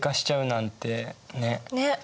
ねっ。